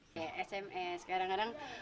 saya sma sekarang kadang